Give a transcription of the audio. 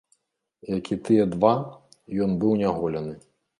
Як і тыя два, ён быў няголены.